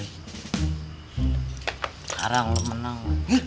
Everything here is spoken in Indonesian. sekarang lo menang